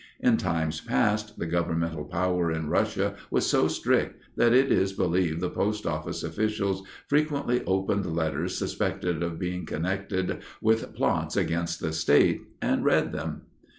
In times past the governmental power in Russia was so strict that it is believed the post office officials frequently opened letters suspected of being connected with plots against the State, and read them.